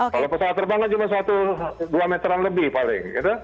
kalau pesawat terbang kan cuma satu dua meteran lebih paling